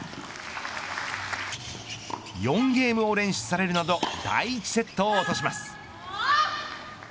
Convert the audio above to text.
４ゲームを連取されるなど第１セットを落とします。